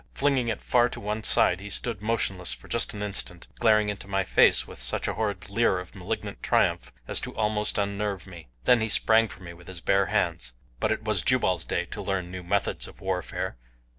Flinging it far to one side he stood motionless for just an instant glaring into my face with such a horrid leer of malignant triumph as to almost unnerve me then he sprang for me with his bare hands. But it was Jubal's day to learn new methods of warfare.